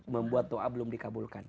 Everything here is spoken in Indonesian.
membuat doa belum dikabulkan